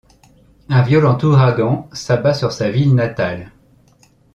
Un violent ouragan s’abat sur sa ville natale.